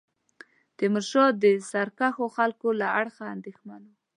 تیمورشاه د سرکښو خلکو له اړخه اندېښمن وو.